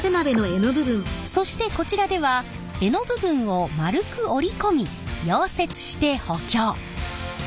そしてこちらでは柄の部分を丸く折り込み溶接して補強。